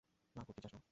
না, কুট্টি, যাস না।